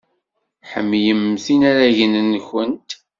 Ḥemmlemt inaragen-nwent.